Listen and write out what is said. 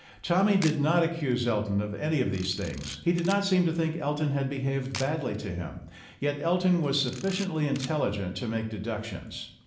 Tommy did not accuse Elton of any of these things; he did not seem to think Elton had behaved badly to him; yet Elton was sufficiently intelligent to make deductions.